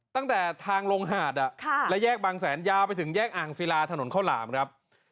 ตั้งแต่ทางลงหาดและแยกบางแสนยาวไปถึงแยกอ่างศิลาถนนข้าวหลามครับ